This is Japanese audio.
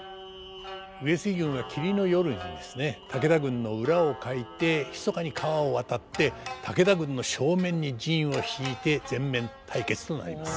上杉軍が霧の夜にですね武田軍の裏をかいてひそかに川を渡って武田軍の正面に陣をしいて全面対決となります。